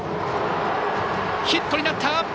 ヒットになった！